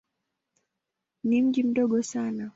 Ni mji mdogo sana.